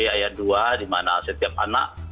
ayat dua di mana setiap anak